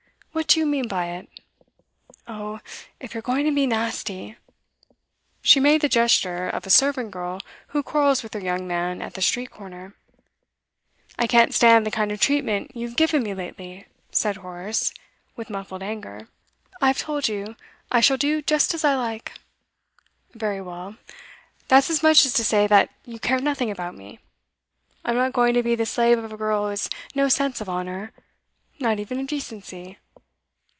What do you mean by it?' 'Oh, if you're going to be nasty ' She made the gesture of a servant girl who quarrels with her young man at the street corner. 'I can't stand the kind of treatment you've given me lately,' said Horace, with muffled anger. 'I've told you I shall do just as I like.' 'Very well. That's as much as to say that you care nothing about me. I'm not going to be the slave of a girl who has no sense of honour not even of decency.